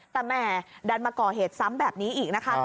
แต่แหม่ดันมาก่อเหตุซ้ำแบบนี้อีกนะคะ